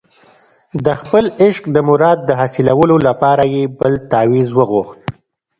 د خپل عشق د مراد د حاصلولو لپاره یې بل تاویز وغوښت.